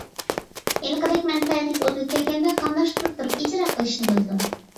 ھېلىقىدەك مەنپەئەتىگە ئۇدۇل كەلگەندە قاملاشتۇرۇپ تۇرۇپ ئىجرا قىلىشنى بىلىدۇ.